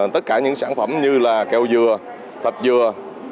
tất cả những sản phẩm như là kẹo dừa thạch dừa